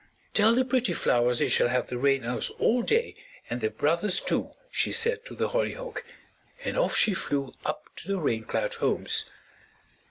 "Tell the pretty flowers they shall have the Rain Elves all day, and their brothers, too," she said to the hollyhock, and off she flew up to the Rain Cloud homes.